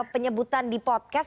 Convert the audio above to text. penyebutan di podcast